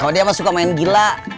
kalau dia emang suka main gila